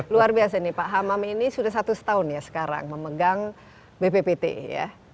luar biasa nih pak hamam ini sudah satu setahun ya sekarang memegang bppt ya